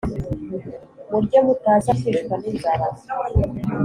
murye mutaza kwicwa n'inzara.»